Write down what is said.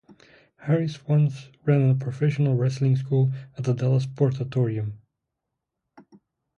Harris once ran a professional wrestling school at the Dallas Sportatorium.